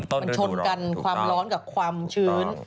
มันชนกันความร้อนกับความชื้น